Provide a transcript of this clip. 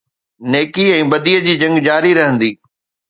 نيڪي ۽ بديءَ جي جنگ جاري رهندي.